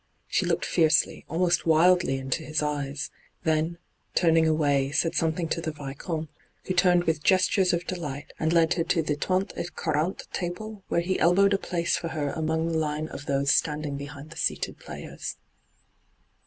She looked fiercely, almost wildly, into his eyes ; then, turning away, said some thing to the Vicomte, who turned with gestures of delight, and led her to the trente* et quarante table, where he elbowed a place for her among the line of tHose standing behind the seated players.